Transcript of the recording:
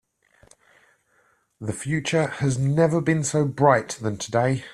The future has never been so bright than today.